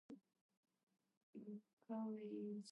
It failed to achieve status on any chart.